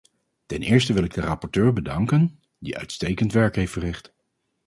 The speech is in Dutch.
Ten eerste wil ik de rapporteur bedanken, die uitstekend werk heeft verricht.